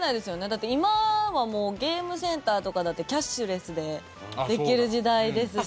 だって、今はもうゲームセンターとかだってキャッシュレスでできる時代ですし。